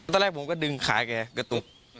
ตอนแรกผมก็ดึงขาแกกระตุก